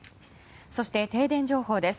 そして、停電情報です。